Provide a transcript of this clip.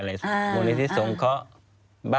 ควิทยาลัยเชียร์สวัสดีครับ